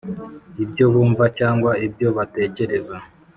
ibyo bumva, cyangwa ibyo batekereza.